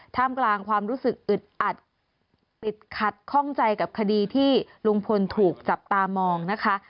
ท่ามกลางความรู้สึกอึดอัดติดขัดข้องใจกับคดีที่ลุงพลถูกจับตามองนะคะ